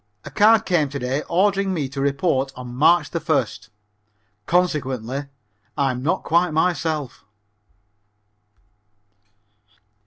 A card came to day ordering me to report on March 1st. Consequently I am not quite myself.